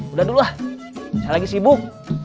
udah dulu lah saya lagi sibuk